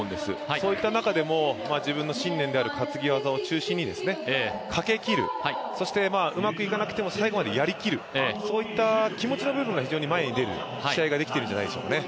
そういった中でも自分の信念である担ぎ技を中心にかけきる、そしてうまくいかなくても最後までやりきる、そういった気持ちの部分が非常に前に出る試合ができてるんじゃないでしょうかね。